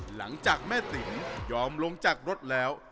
หลังจากแม่ติ๋มยอมลงจากรถแล้ว